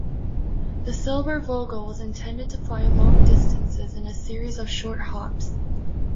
The Silbervogel was intended to fly long distances in a series of short hops.